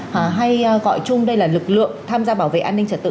hay gọi chung đây là lực lượng tham gia bảo vệ an ninh trật tự